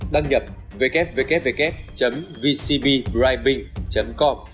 đăng nhập www vcbribebing com